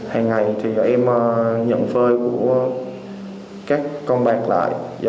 hàng ngày thì em nhận phơi của các con bạc lại